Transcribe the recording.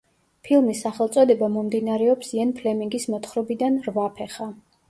ფილმის სახელწოდება მომდინარეობს იენ ფლემინგის მოთხრობიდან „რვაფეხა“.